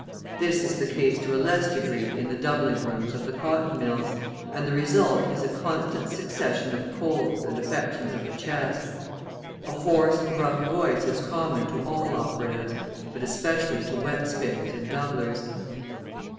This is the case to a less degree in the doubling rooms of the cotton mills, and the result is a constant succession of colds and affections of the chest. A hoarse, rough voice is common to all operatives, but especially to wet spinners and doublers.